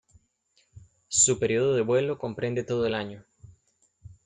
Su periodo de vuelo comprende todo el año.